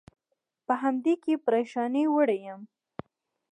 په همدې کې پرېشانۍ وړی یم.